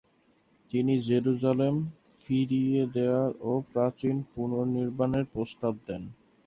তিনি জেরুসালেম ফিরিয়ে দেয়ার ও তার প্রাচীর পুনর্নির্মাণের প্রস্তাব দেন।